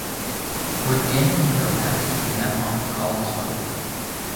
Would Damon Hill have taken that long to call his mother?